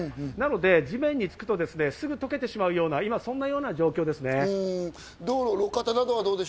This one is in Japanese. なので地面につくとすぐ溶けてしまうような、そんな状況です。